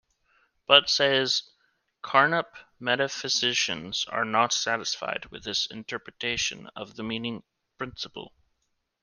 But-says Carnap-metaphysicians are not satisfied with this interpretation of the meaning of 'principle'.